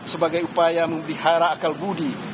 sebagai upaya membihara akal budi